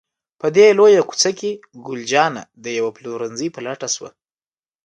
په دې لویه کوڅه کې، ګل جانه د یوه پلورنځي په لټه شوه.